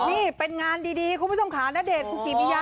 นี่เป็นงานดีคุณผู้ชมค่ะณเดชนคุกิมิยา